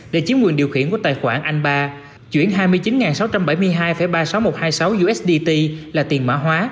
để chiếm quyền điều khiển của tài khoản anh ba chuyển hai mươi chín sáu trăm bảy mươi hai ba mươi sáu nghìn một trăm hai mươi sáu usd là tiền mã hóa